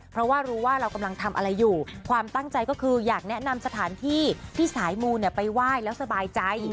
เพราะว่ารู้ว่าเรากำลังทำอะไรอยู่ความตั้งใจก็คืออยากแนะนำสถานที่ที่สายมูลไปไหว้แล้วสบายใจ